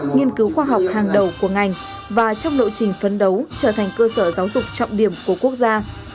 nghiên cứu khoa học hàng đầu của ngành và trong lộ trình phấn đấu trở thành cơ sở giáo dục trọng điểm của quốc gia